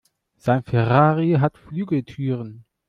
Sein Ferrari hat Flügeltüren.